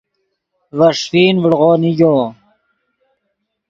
ڤے ݰیفین ڤڑو نیگو